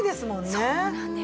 そうなんです。